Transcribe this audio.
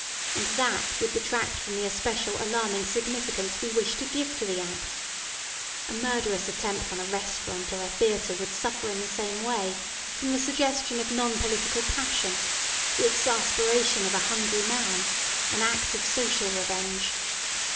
And that would detract from the especial alarming significance we wish to give to the act. A murderous attempt on a restaurant or a theatre would suffer in the same way from the suggestion of non political passion: the exasperation of a hungry man, an act of social revenge.